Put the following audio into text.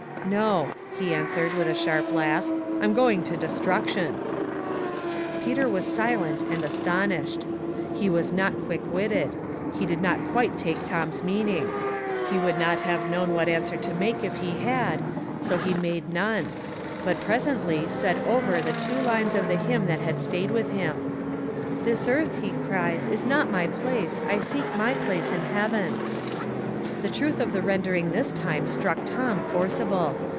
'''''' No," he answered, with a sharp laugh, " I'm going to destruction." Peter was silent and astonished; he was not quick witted; he did not quite take Tom's meaning; he would not have known what answer to make if he bad, so he made none ; but presently said over the two lines of the hymn that had stayed with him :" This earth, he cries, is not my place, I seek my place in heaven." The truth of the rendering this time struck Tom forcible.